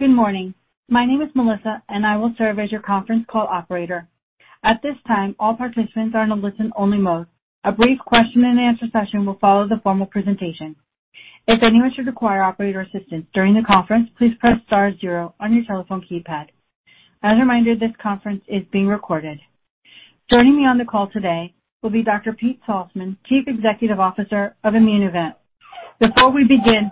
Joining me on the call today will be Dr. Pete Salzmann, Chief Executive Officer of Immunovant. Before we begin,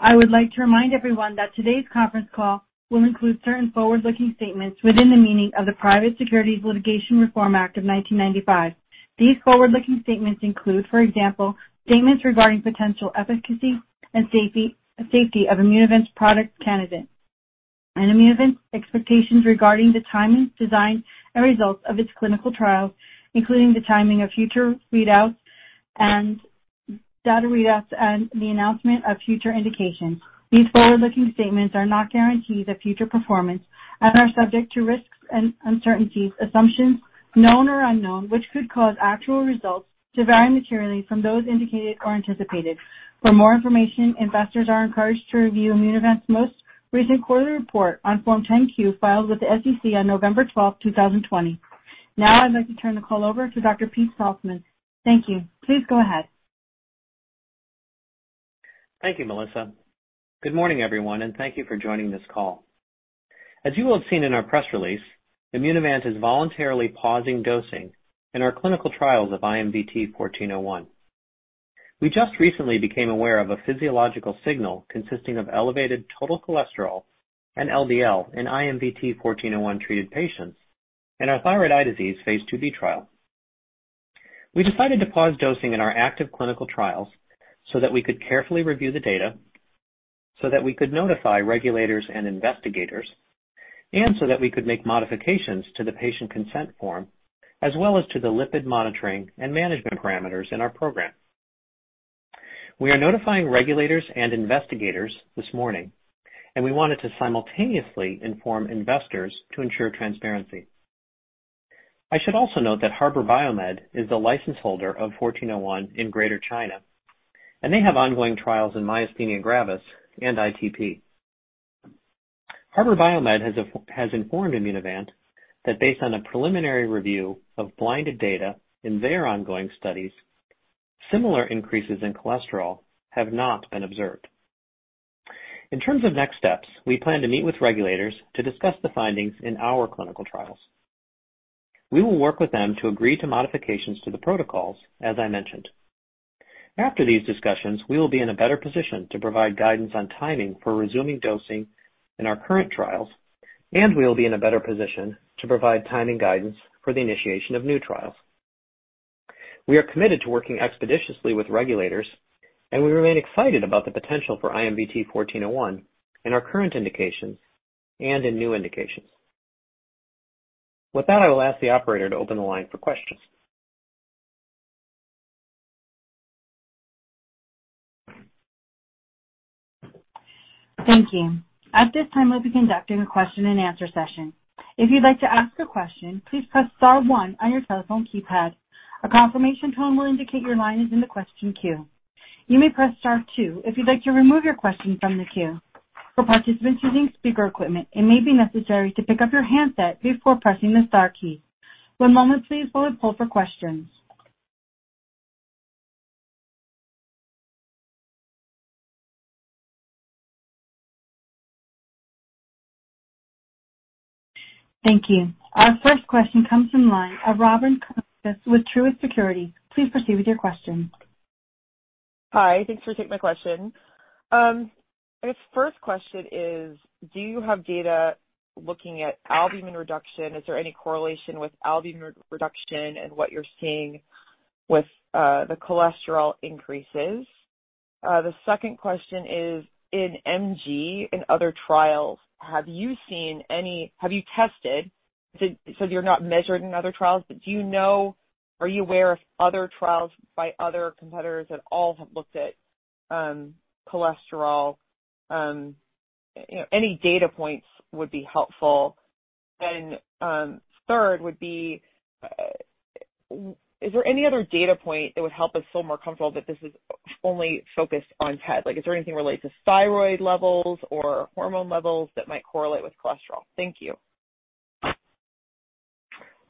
I would like to remind everyone that today's conference call will include certain forward-looking statements within the meaning of the Private Securities Litigation Reform Act of 1995. These forward-looking statements include, for example, statements regarding potential efficacy and safety of Immunovant's product candidates and Immunovant's expectations regarding the timing, design, and results of its clinical trials, including the timing of future readouts and data readouts and the announcement of future indications. These forward-looking statements are not guarantees of future performance and are subject to risks and uncertainties, assumptions, known or unknown, which could cause actual results to vary materially from those indicated or anticipated. For more information, investors are encouraged to review Immunovant's most recent quarterly report on Form 10-Q filed with the SEC on November 12th, 2020. Now I'd like to turn the call over to Dr. Pete Salzmann. Thank you. Please go ahead. Thank you, Melissa. Good morning, everyone, and thank you for joining this call. As you will have seen in our press release, Immunovant is voluntarily pausing dosing in our clinical trials of IMVT-1401. We just recently became aware of a physiological signal consisting of elevated total cholesterol and LDL in IMVT-1401-treated patients in our thyroid eye disease phase II-B trial. We decided to pause dosing in our active clinical trials so that we could carefully review the data, so that we could notify regulators and investigators, and so that we could make modifications to the patient consent form as well as to the lipid monitoring and management parameters in our program. We are notifying regulators and investigators this morning, and we wanted to simultaneously inform investors to ensure transparency. I should also note that Harbour BioMed is the license holder of IMVT-1401 in Greater China, and they have ongoing trials in myasthenia gravis and ITP. Harbour BioMed has informed Immunovant that based on a preliminary review of blinded data in their ongoing studies, similar increases in cholesterol have not been observed. In terms of next steps, we plan to meet with regulators to discuss the findings in our clinical trials. We will work with them to agree to modifications to the protocols, as I mentioned. After these discussions, we will be in a better position to provide guidance on timing for resuming dosing in our current trials, and we will be in a better position to provide timing guidance for the initiation of new trials. We are committed to working expeditiously with regulators, and we remain excited about the potential for IMVT-1401 in our current indications and in new indications. With that, I will ask the operator to open the line for questions. Thank you. At this time, we'll be conducting a question-and-answer session. If you'd like to ask a question, please press star one on your telephone keypad, a confirmation tone will indicate your line is in the question queue. You may press star two, if you'd like to remove your question from the queue, for participants using speaker equipment it may be necessary to pick up your handset before pressing the star key. One moment please while we pull up the questions. Thank you. Our first question comes from the line of Robyn Karnauskas with Truist Securities. Please proceed with your question. Hi, thanks for taking my question. I guess first question is, do you have data looking at albumin reduction? Is there any correlation with albumin reduction and what you're seeing with the cholesterol increases? The second question is, in MG, in other trials, have you tested It says you've not measured in other trials, but are you aware if other trials by other competitors at all have looked at cholesterol? Any data points would be helpful. Third would be, is there any other data point that would help us feel more comfortable that this is only focused on TED? Is there anything related to thyroid levels or hormone levels that might correlate with cholesterol? Thank you.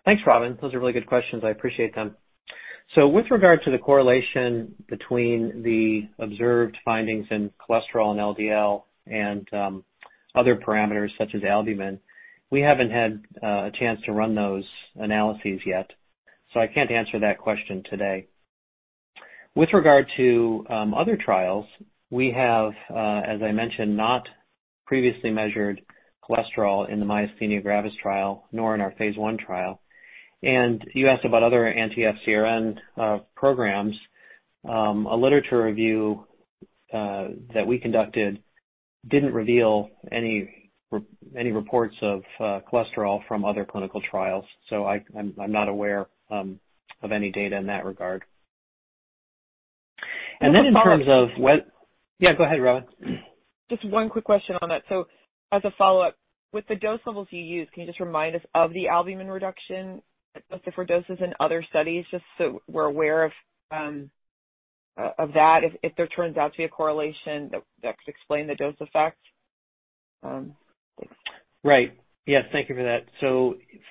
Thanks, Robyn. Those are really good questions. I appreciate them. With regard to the correlation between the observed findings in cholesterol and LDL and other parameters such as albumin, we haven't had a chance to run those analyses yet, so I can't answer that question today. With regard to other trials, we have, as I mentioned, not previously measured cholesterol in the myasthenia gravis trial, nor in our phase I trial. You asked about other anti-FcRn programs. A literature review that we conducted didn't reveal any reports of cholesterol from other clinical trials. I'm not aware of any data in that regard. Just a follow-up. Yeah, go ahead, Robyn. Just one quick question on that. As a follow-up, with the dose levels you use, can you just remind us of the albumin reduction of the different doses in other studies, just so we're aware of that, if there turns out to be a correlation that could explain the dose effect. Right. Yes, thank you for that.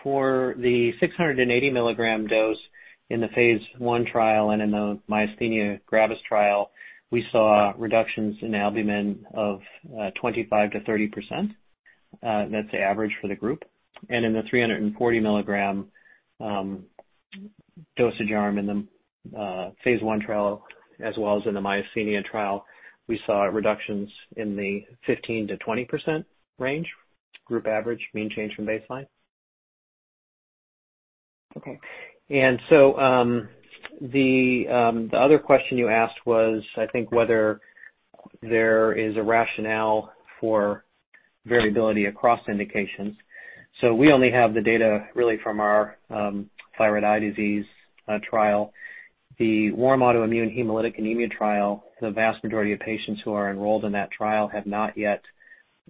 For the 680 mg dose in the phase I trial and in the myasthenia gravis trial, we saw reductions in albumin of 25%-30%. That's the average for the group. In the 340 mg dosage arm in the phase I trial, as well as in the myasthenia trial, we saw reductions in the 15%-20% range, group average, mean change from baseline. Okay. The other question you asked was, I think, whether there is a rationale for variability across indications. We only have the data really from our thyroid eye disease trial. The warm autoimmune hemolytic anemia trial, the vast majority of patients who are enrolled in that trial have not yet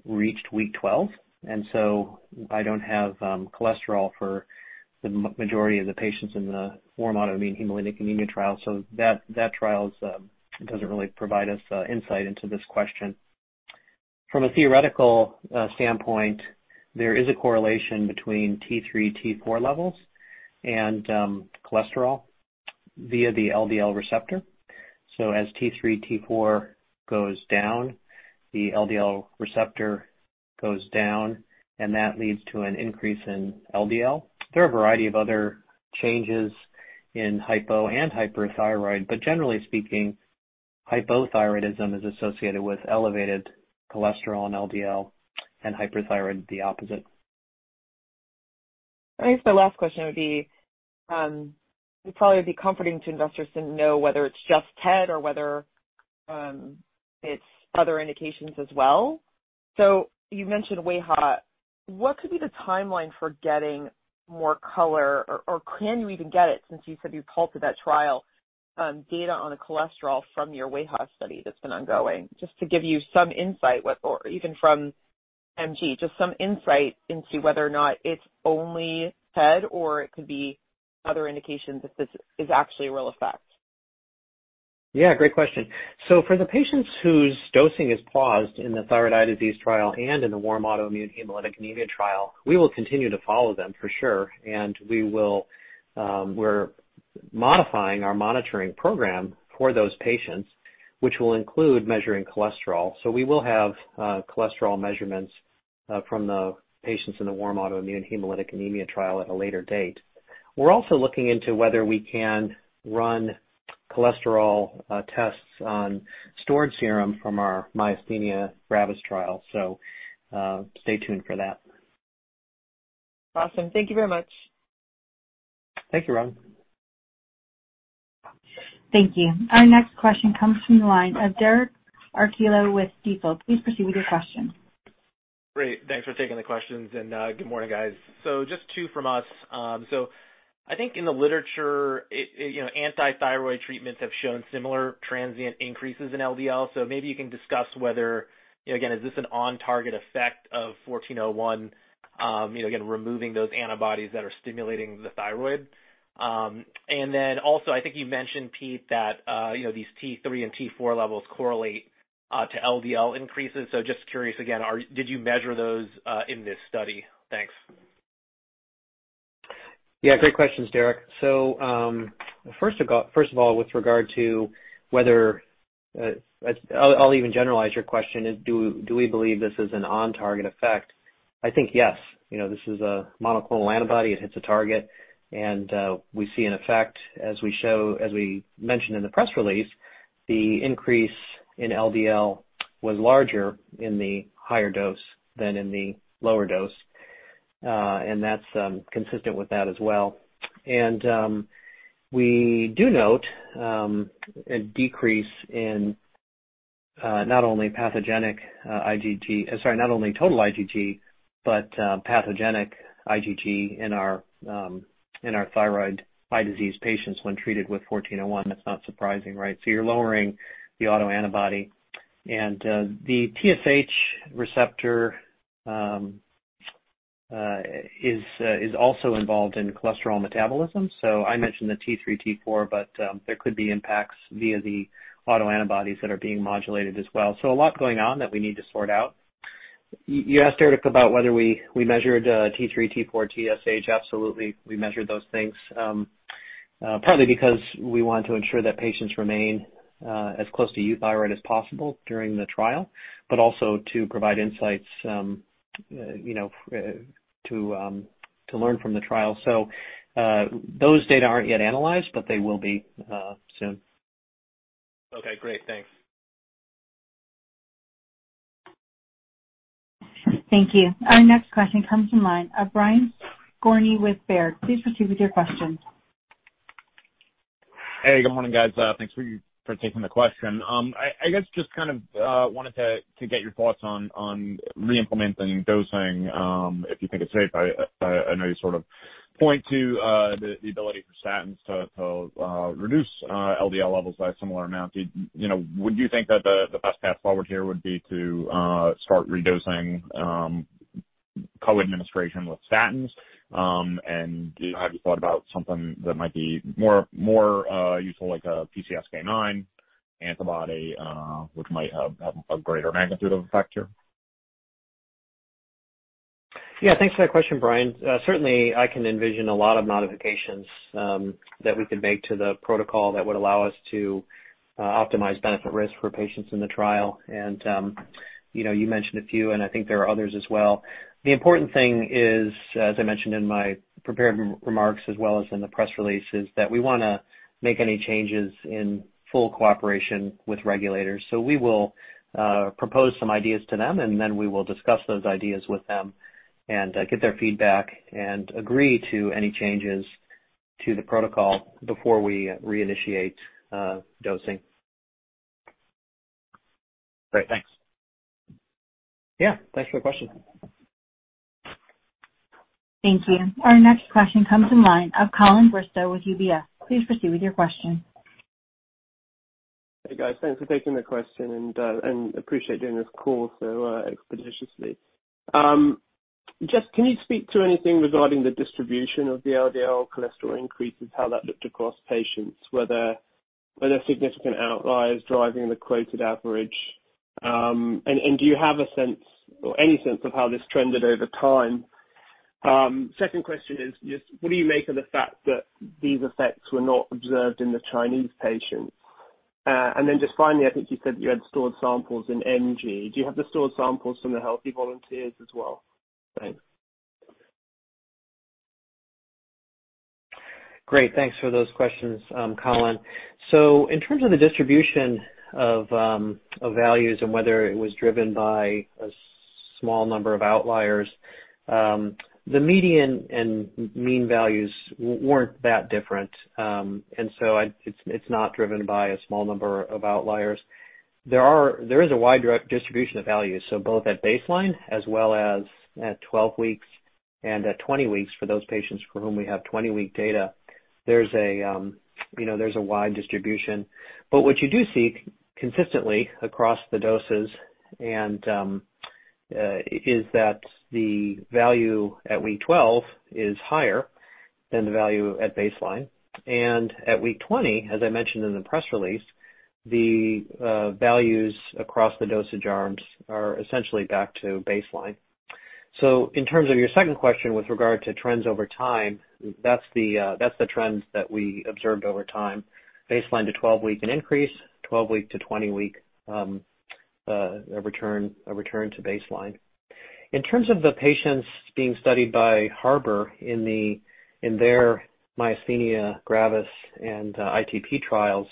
reached week 12, and so I don't have cholesterol for the majority of the patients in the warm autoimmune hemolytic anemia trial. That trial doesn't really provide us insight into this question. From a theoretical standpoint, there is a correlation between T3, T4 levels and cholesterol via the LDL receptor. As T3, T4 goes down, the LDL receptor goes down, and that leads to an increase in LDL. There are a variety of other changes in hypo and hyperthyroid, but generally speaking, hypothyroidism is associated with elevated cholesterol and LDL, and hyperthyroid, the opposite. I guess my last question would be, it'd probably be comforting to investors to know whether it's just TED or whether it's other indications as well. You've mentioned wAIHA. What could be the timeline for getting more color, or can you even get it, since you said you've halted that trial, data on the cholesterol from your wAIHA study that's been ongoing? Just to give you some insight, or even from MG, just some insight into whether or not it's only TED, or it could be other indications if this is actually a real effect. Yeah, great question. For the patients whose dosing is paused in the thyroid eye disease trial and in the warm autoimmune hemolytic anemia trial, we will continue to follow them for sure. We're modifying our monitoring program for those patients, which will include measuring cholesterol. We will have cholesterol measurements from the patients in the warm autoimmune hemolytic anemia trial at a later date. We're also looking into whether we can run cholesterol tests on stored serum from our myasthenia gravis trial. Stay tuned for that. Awesome. Thank you very much. Thank you, Robyn. Thank you. Our next question comes from the line of Derek Archila with Stifel. Please proceed with your question. Great. Thanks for taking the questions and good morning, guys. Just two from us. I think in the literature, anti-thyroid treatments have shown similar transient increases in LDL. Maybe you can discuss whether, again, is this an on-target effect of IMVT-1401, again, removing those antibodies that are stimulating the thyroid. Also, I think you mentioned, Pete, that these T3 and T4 levels correlate to LDL increases. Just curious again, did you measure those in this study? Thanks. Yeah, great questions, Derek. First of all, I'll even generalize your question. Do we believe this is an on-target effect? I think yes. This is a monoclonal antibody. It hits a target, and we see an effect as we mention in the press release, the increase in LDL was larger in the higher dose than in the lower dose. That's consistent with that as well. We do note a decrease in not only total IgG, but pathogenic IgG in our thyroid eye disease patients when treated with IMVT-1401. That's not surprising, right? You're lowering the autoantibody. The TSH receptor is also involved in cholesterol metabolism. I mentioned the T3, T4, but there could be impacts via the autoantibodies that are being modulated as well. A lot going on that we need to sort out. You asked, Derek, about whether we measured T3, T4, TSH. Absolutely. We measured those things, partly because we want to ensure that patients remain as close to euthyroid as possible during the trial, but also to provide insights to learn from the trial. Those data aren't yet analyzed, but they will be soon. Okay, great. Thanks. Thank you. Our next question comes from Brian Skorney with Baird. Please proceed with your question. Hey, good morning, guys. Thanks for taking the question. I guess just kind of wanted to get your thoughts on re-implementing dosing, if you think it's safe. I know you sort of point to the ability for statins to reduce LDL levels by a similar amount. Would you think that the best path forward here would be to start redosing co-administration with statins. Have you thought about something that might be more useful like a PCSK9 antibody which might have a greater magnitude of effect here? Yeah, thanks for that question, Brian. Certainly, I can envision a lot of modifications that we could make to the protocol that would allow us to optimize benefit risk for patients in the trial. You mentioned a few, and I think there are others as well. The important thing is, as I mentioned in my prepared remarks as well as in the press release, is that we want to make any changes in full cooperation with regulators. We will propose some ideas to them, and then we will discuss those ideas with them and get their feedback and agree to any changes to the protocol before we reinitiate dosing. Great. Thanks. Yeah. Thanks for the question. Thank you. Our next question comes in line of Colin Bristow with UBS. Please proceed with your question. Hey, guys. Thanks for taking the question and appreciate doing this call so expeditiously. Just can you speak to anything regarding the distribution of the LDL cholesterol increases, how that looked across patients, were there significant outliers driving the quoted average? Do you have a sense or any sense of how this trended over time? Second question is just what do you make of the fact that these effects were not observed in the Chinese patients? Then just finally, I think you said you had stored samples in MG. Do you have the stored samples from the healthy volunteers as well? Thanks. Great. Thanks for those questions, Colin. In terms of the distribution of values and whether it was driven by a small number of outliers, the median and mean values weren't that different. And so it's not driven by a small number of outliers. There is a wide distribution of values, so both at baseline as well as at 12 weeks and at 20 weeks for those patients for whom we have 20-week data, there's a wide distribution. But what you do see consistently across the doses and is that the value at week 12 is higher than the value at baseline and at week 20, as I mentioned in the press release, the values across the dosage arms are essentially back to baseline. In terms of your second question with regard to trends over time, that's the trends that we observed over time, baseline to 12-week an increase, 12-week to 20-week, a return to baseline. In terms of the patients being studied by Harbour in their myasthenia gravis and ITP trials,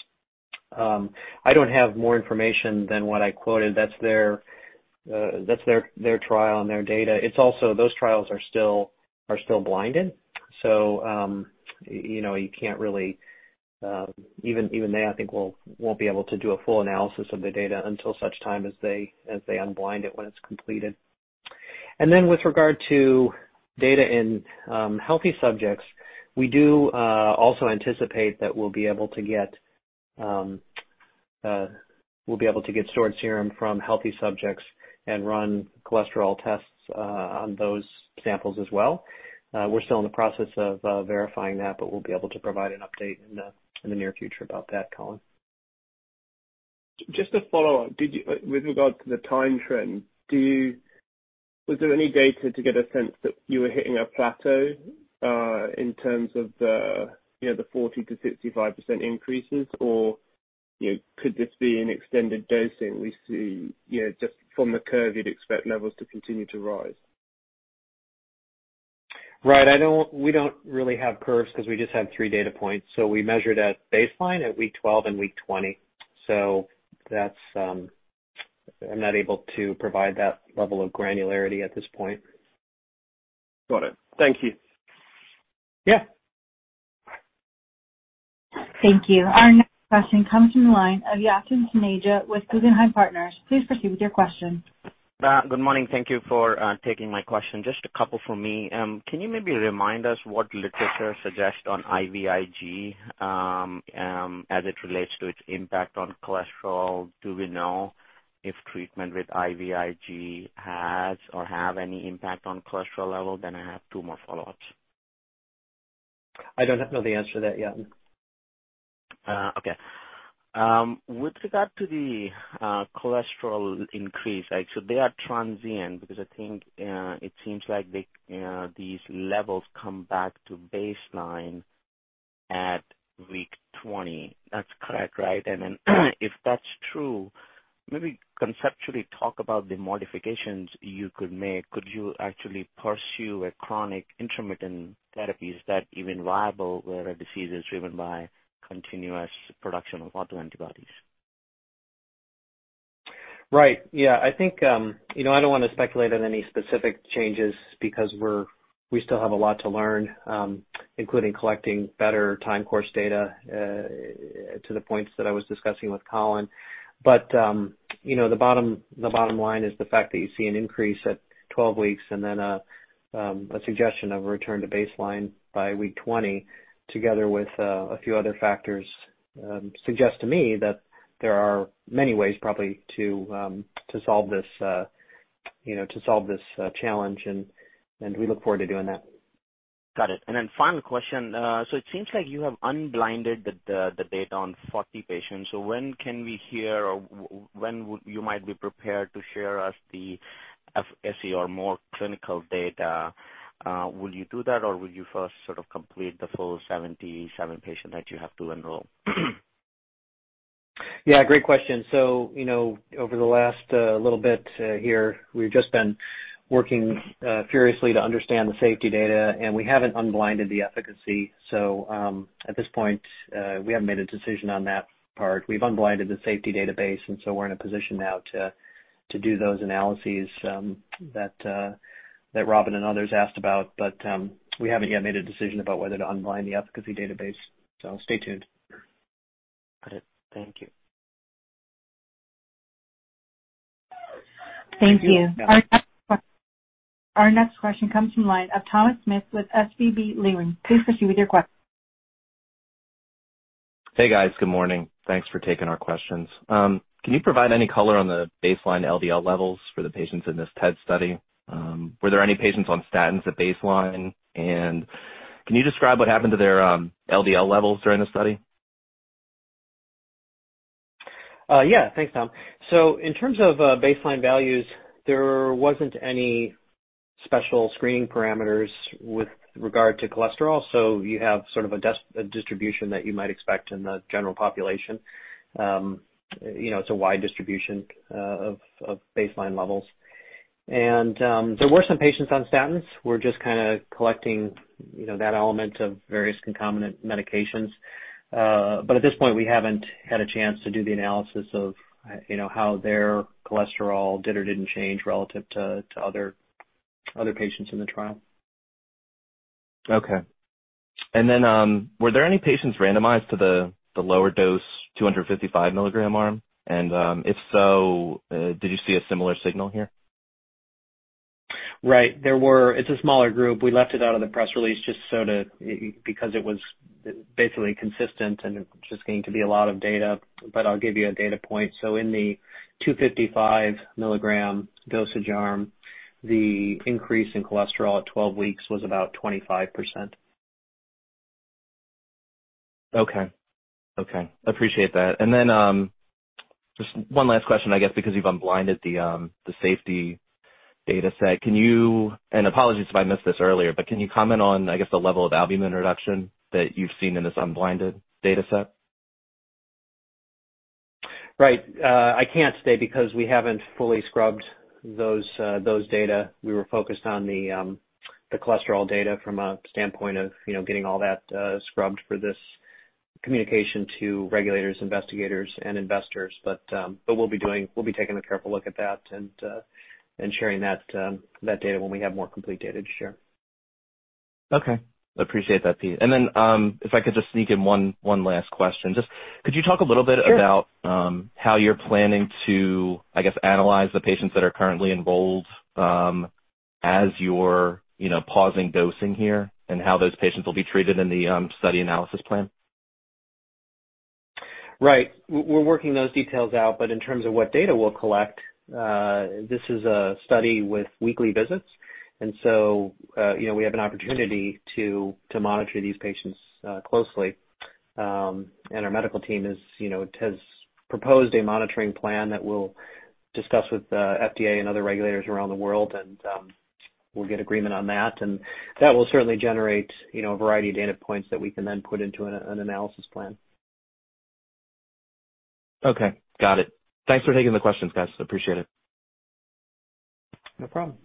I don't have more information than what I quoted. That's their trial and their data. It's also those trials are still blinded. You can't really, even they, I think, won't be able to do a full analysis of the data until such time as they unblind it when it's completed. With regard to data in healthy subjects, we do also anticipate that we'll be able to get stored serum from healthy subjects and run cholesterol tests on those samples as well. We're still in the process of verifying that, but we'll be able to provide an update in the near future about that, Colin. Just to follow up, with regard to the time trend, was there any data to get a sense that you were hitting a plateau, in terms of the 40%-65% increases? Could this be an extended dosing we see just from the curve you'd expect levels to continue to rise? Right. We don't really have curves because we just have three data points. We measured at baseline at week 12 and week 20. I'm not able to provide that level of granularity at this point. Got it. Thank you. Yeah. Thank you. Our next question comes from the line of Yatin Suneja with Guggenheim Partners. Please proceed with your question. Good morning. Thank you for taking my question. Just a couple from me. Can you maybe remind us what literature suggests on IVIG, as it relates to its impact on cholesterol? Do we know if treatment with IVIG has or have any impact on cholesterol level? I have two more follow-ups. I don't know the answer to that, Yatin. Okay. With regard to the cholesterol increase, so they are transient because I think it seems like these levels come back to baseline at week 20. That's correct, right? If that's true, maybe conceptually talk about the modifications you could make. Could you actually pursue a chronic intermittent therapies that even viable where a disease is driven by continuous production of autoantibodies? Right. Yeah, I think, I don't want to speculate on any specific changes because we still have a lot to learn, including collecting better time course data, to the points that I was discussing with Colin. The bottom line is the fact that you see an increase at 12 weeks and then a suggestion of a return to baseline by week 20, together with a few other factors, suggests to me that there are many ways probably to solve this challenge. We look forward to doing that. Got it. Final question. It seems like you have unblinded the data on 40 patients. When can we hear, or when would you might be prepared to share us the efficacy or more clinical data? Will you do that or will you first sort of complete the full 77 patients that you have to enroll? Yeah, great question. Over the last little bit here, we've just been working furiously to understand the safety data, and we haven't unblinded the efficacy. At this point, we haven't made a decision on that part. We've unblinded the safety database, and so we're in a position now to do those analyses that Robyn and others asked about. We haven't yet made a decision about whether to unblind the efficacy database. Stay tuned. Got it. Thank you. Thank you. Our next question comes from the line of Thomas Smith with SVB Leerink. Please proceed with your question. Hey, guys. Good morning. Thanks for taking our questions. Can you provide any color on the baseline LDL levels for the patients in this TED study? Were there any patients on statins at baseline? Can you describe what happened to their LDL levels during the study? Yeah. Thanks, Tom. In terms of baseline values, there wasn't any special screening parameters with regard to cholesterol. It's a wide distribution of baseline levels. There were some patients on statins. We're just collecting that element of various concomitant medications. At this point, we haven't had a chance to do the analysis of how their cholesterol did or didn't change relative to other patients in the trial. Okay. Were there any patients randomized to the lower dose 255 mg arm? If so, did you see a similar signal here? Right. There were. It's a smaller group. We left it out of the press release just because it was basically consistent and it was just going to be a lot of data, but I'll give you a data point. In the 255 mg dosage arm, the increase in cholesterol at 12 weeks was about 25%. Okay. Appreciate that. Then, just one last question, I guess, because you've unblinded the safety data set. Apologies if I missed this earlier, but can you comment on, I guess, the level of albumin reduction that you've seen in this unblinded data set? Right. I can't say because we haven't fully scrubbed those data. We were focused on the cholesterol data from a standpoint of getting all that scrubbed for this communication to regulators, investigators, and investors. We'll be taking a careful look at that and sharing that data when we have more complete data to share. Okay. Appreciate that, Pete. If I could just sneak in one last question. Just, could you talk a little bit about? Sure. How you're planning to, I guess, analyze the patients that are currently enrolled as you're pausing dosing here, and how those patients will be treated in the study analysis plan? Right. We're working those details out, but in terms of what data we'll collect, this is a study with weekly visits. We have an opportunity to monitor these patients closely. Our medical team has proposed a monitoring plan that we'll discuss with the FDA and other regulators around the world. We'll get agreement on that. That will certainly generate a variety of data points that we can then put into an analysis plan. Okay. Got it. Thanks for taking the questions, guys. Appreciate it. No problem.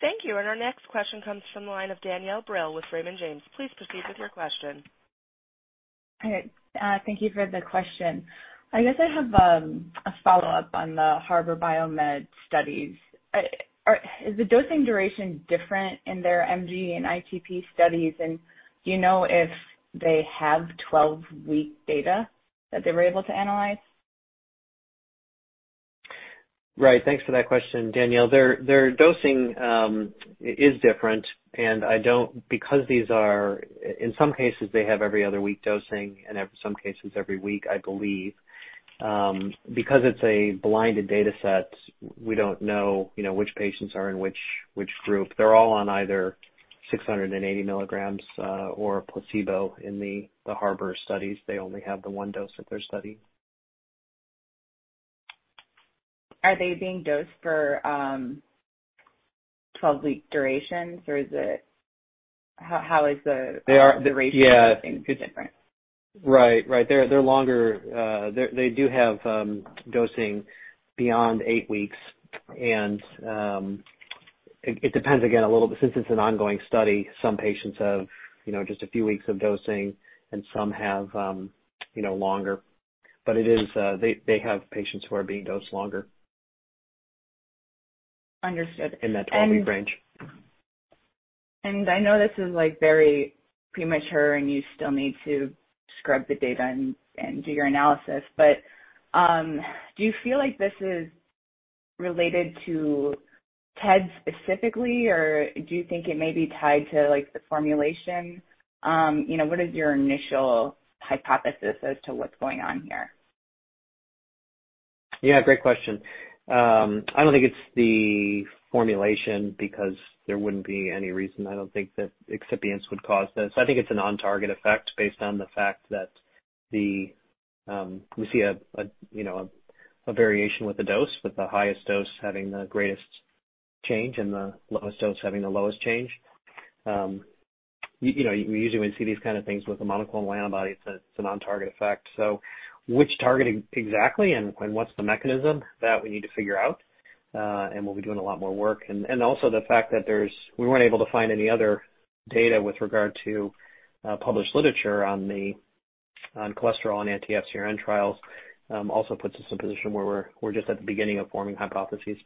Thank you. Our next question comes from the line of Danielle Brill with Raymond James. Please proceed with your question. All right. Thank you for the question. I guess I have a follow-up on the Harbour BioMed studies. Is the dosing duration different in their MG and ITP studies? Do you know if they have 12-week data that they were able to analyze? Right. Thanks for that question, Danielle. Their dosing is different and in some cases, they have every other week dosing and some cases every week, I believe. Because it's a blinded data set, we don't know which patients are in which group. They're all on either 680 mg or a placebo in the Harbour studies. They only have the one dose of their study. Are they being dosed for 12-week durations? They are. Duration dosing different? Right. They're longer. They do have dosing beyond eight weeks and it depends again, a little bit since it's an ongoing study. Some patients have just a few weeks of dosing and some have longer. They have patients who are being dosed longer. Understood. In that 12-week range. I know this is very premature and you still need to scrub the data and do your analysis, but do you feel like this is related to TED specifically or do you think it may be tied to the formulation? What is your initial hypothesis as to what's going on here? Yeah, great question. I don't think it's the formulation because there wouldn't be any reason, I don't think that excipients would cause this. I think it's a non-target effect based on the fact that we see a variation with the dose, with the highest dose having the greatest change and the lowest dose having the lowest change. We usually see these kind of things with a monoclonal antibody, it's a non-target effect. Which target exactly and what's the mechanism? That, we need to figure out, and we'll be doing a lot more work. Also the fact that we weren't able to find any other data with regard to published literature on cholesterol on anti-FcRn trials also puts us in a position where we're just at the beginning of forming hypotheses.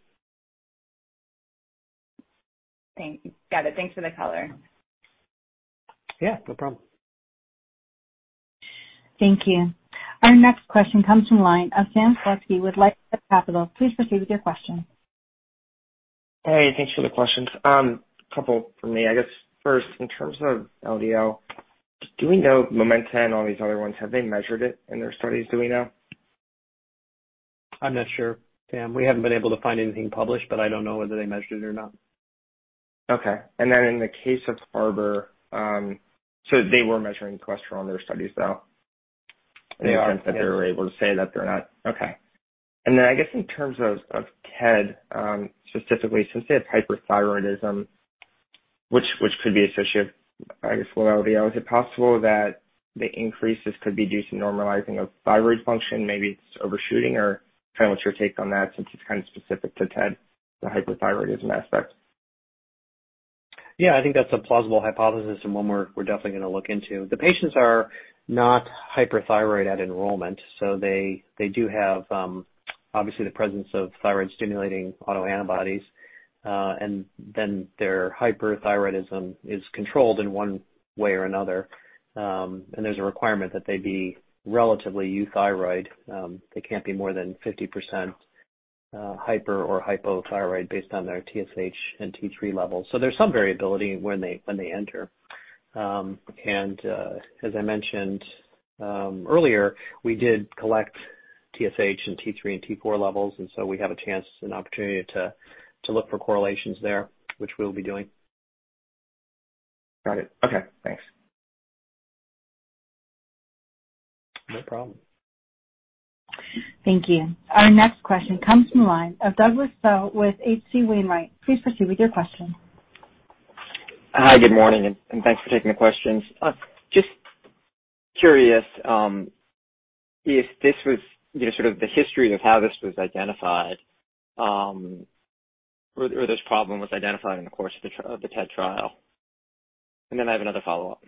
Got it. Thanks for the color. Yeah, no problem. Thank you. Our next question comes from the line of Sam Slutsky with LifeSci Capital. Please proceed with your question. Hey, thanks for the questions. Couple from me. I guess first, in terms of LDL, do we know Momenta and all these other ones, have they measured it in their studies? Do we know? I'm not sure, Sam. We haven't been able to find anything published, but I don't know whether they measured it or not. Okay. In the case of Harbour, they were measuring cholesterol in their studies, though? They are, yes. In the sense that they were able to say that they're not. Okay. I guess in terms of TED specifically, since they have hyperthyroidism, which could be associated with low LDL, is it possible that the increases could be due to normalizing of thyroid function, maybe it's overshooting? What's your take on that since it's kind of specific to TED, the hyperthyroidism aspect? Yeah, I think that's a plausible hypothesis and one we're definitely going to look into. The patients are not hyperthyroid at enrollment, they do have, obviously, the presence of thyroid-stimulating autoantibodies. Their hyperthyroidism is controlled in one way or another. There's a requirement that they be relatively euthyroid. They can't be more than 50% hyper or hypothyroid based on their TSH and T3 levels. There's some variability when they enter. As I mentioned earlier, we did collect TSH and T3 and T4 levels, and so we have a chance and opportunity to look for correlations there, which we'll be doing. Got it. Okay, thanks. No problem. Thank you. Our next question comes from the line of Douglas Tsao with H.C. Wainwright. Please proceed with your question. Hi, good morning. Thanks for taking the questions. Just curious if this was sort of the history of how this was identified, or this problem was identified in the course of the TED trial. I have another follow-up.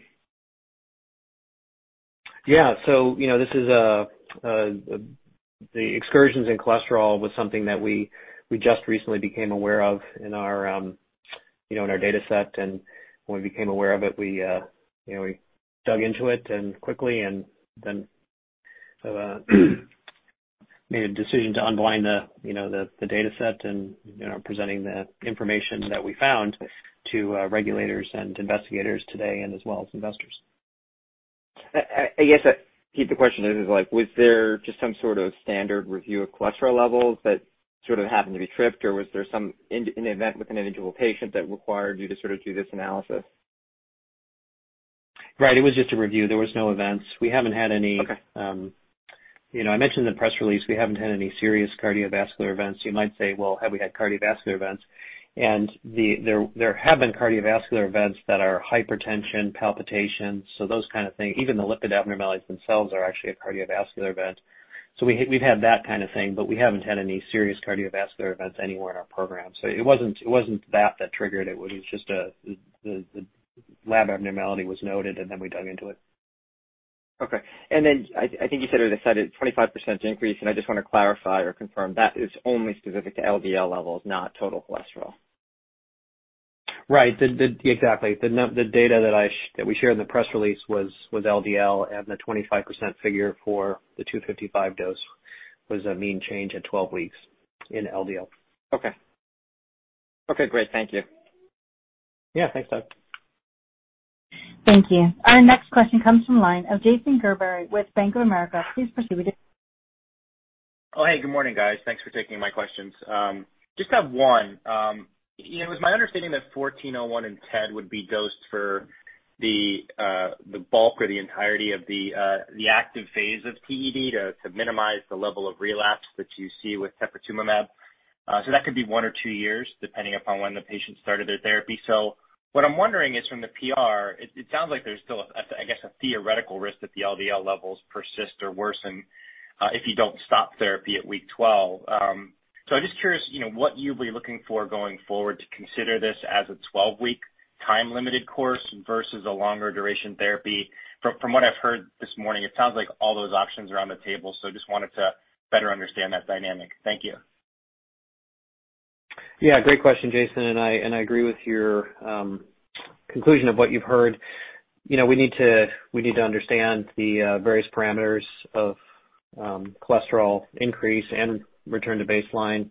Yeah. The excursions in cholesterol was something that we just recently became aware of in our data set. When we became aware of it, we dug into it quickly and then made a decision to unblind the data set and presenting the information that we found to regulators and investigators today and as well as investors. I keep the question is like, was there just some sort of standard review of cholesterol levels that sort of happened to be tripped? Was there some event with an individual patient that required you to sort of do this analysis? Right. It was just a review. There was no events. Okay. I mentioned in the press release, we haven't had any serious cardiovascular events. You might say, well, have we had cardiovascular events? There have been cardiovascular events that are hypertension, palpitations, those kind of things. Even the lipid abnormalities themselves are actually a cardiovascular event. We've had that kind of thing, but we haven't had any serious cardiovascular events anywhere in our program. It wasn't that triggered it was just the lab abnormality was noted, and then we dug into it. Okay. I think you said, or decided 25% increase, and I just want to clarify or confirm that is only specific to LDL levels, not total cholesterol. Right. Exactly. The data that we shared in the press release was LDL, and the 25% figure for the 255 dose was a mean change at 12 weeks in LDL. Okay. Okay, great. Thank you. Yeah, thanks, Doug. Thank you. Our next question comes from the line of Jason Gerberry with Bank of America. Please proceed with your question. Oh, hey, good morning, guys. Thanks for taking my questions. Just have one. It was my understanding that IMVT-1401 and TED would be dosed for the bulk or the entirety of the active phase of TED to minimize the level of relapse that you see with teprotumumab. That could be one or two years, depending upon when the patient started their therapy. What I'm wondering is from the PR, it sounds like there's still, I guess, a theoretical risk that the LDL levels persist or worsen if you don't stop therapy at week 12. I'm just curious, what you'll be looking for going forward to consider this as a 12-week time limited course versus a longer duration therapy? From what I've heard this morning, it sounds like all those options are on the table, I just wanted to better understand that dynamic. Thank you. Great question, Jason, and I agree with your conclusion of what you've heard. We need to understand the various parameters of cholesterol increase and return to baseline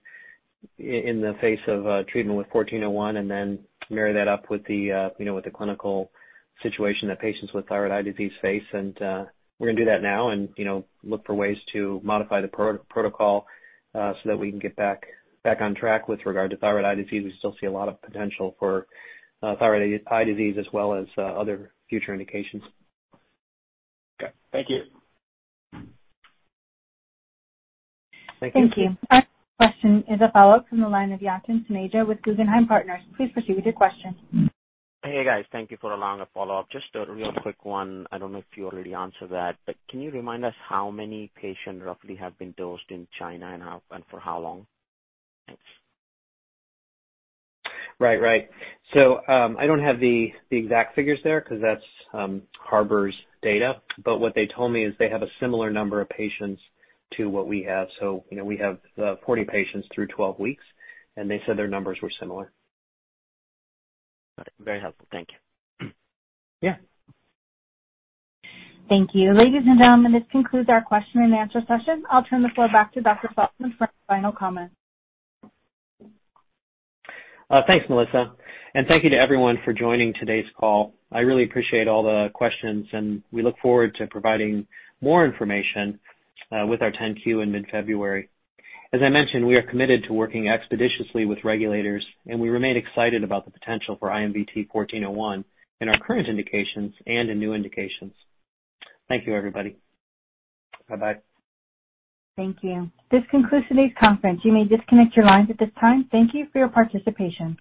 in the face of treatment with IMVT-1401, and then marry that up with the clinical situation that patients with thyroid eye disease face. We're going to do that now and look for ways to modify the protocol so that we can get back on track with regard to thyroid eye disease. We still see a lot of potential for thyroid eye disease as well as other future indications. Okay. Thank you. Thank you. Thank you. Our next question is a follow-up from the line of Yatin Suneja with Guggenheim Partners. Please proceed with your question. Hey, guys. Thank you for allowing a follow-up. Just a real quick one. I don't know if you already answered that, but can you remind us how many patients roughly have been dosed in China and for how long? Thanks. Right. I don't have the exact figures there because that's Harbour's data. What they told me is they have a similar number of patients to what we have. We have 40 patients through 12 weeks, and they said their numbers were similar. All right. Very helpful. Thank you. Yeah. Thank you. Ladies and gentlemen, this concludes our question and answer session. I'll turn the floor back to Dr. Salzmann for any final comments. Thanks, Melissa, and thank you to everyone for joining today's call. I really appreciate all the questions, and we look forward to providing more information with our 10-Q in mid-February. As I mentioned, we are committed to working expeditiously with regulators, and we remain excited about the potential for IMVT-1401 in our current indications and in new indications. Thank you, everybody. Bye-bye. Thank you. This concludes today's conference. You may disconnect your lines at this time. Thank you for your participation.